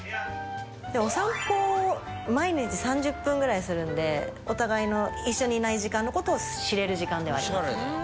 お散歩を毎日３０分ぐらいするんでお互いの一緒にいない時間の事を知れる時間ではありますね。